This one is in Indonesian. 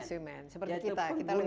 seperti kita kita lebih banyak